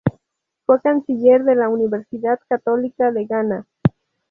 Fue canciller de la Universidad Católica de Ghana.